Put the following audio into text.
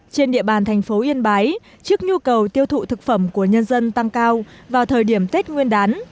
trên địa bàn thành phố yên bái trước nhu cầu tiêu thụ thực phẩm của nhân dân tăng cao vào thời điểm tết nguyên đán